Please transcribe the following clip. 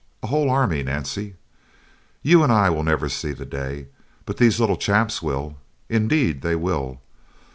A whole army, Nancy! You and I will never see the day, but these little chaps will. Indeed they will.